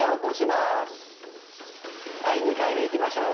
はい２回目いきましょう。